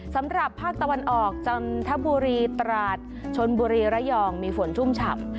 สำหรับภาคตะวันออกจันทบุรีตราดชนบุรีระยองมีฝนชุ่มฉ่ำ